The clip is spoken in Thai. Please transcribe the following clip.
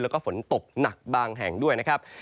แล้วก็ฝนตกหนักบางแห่งด้วยนะครับ